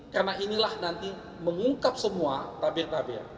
karena inilah nanti mengungkap semua tabir tabir